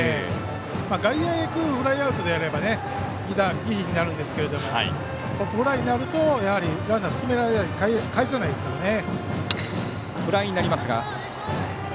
外野へ行くフライアウトであればいい犠打になるんですけどゴロになるとランナーをかえせないですからね。